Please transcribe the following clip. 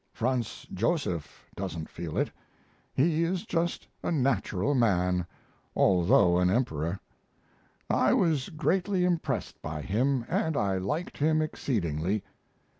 Franz Josef doesn't feel it. He is just a natural man, although an emperor. I was greatly impressed by him, and I liked him exceedingly.